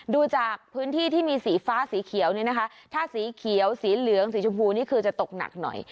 ดูจากพื้นที่ที่มีสีฟ้าสีเขียวเนี่ยนะคะถ้าสีเขียวสีเหลืองสีชมพูนี่คือจะตกหนักหน่อย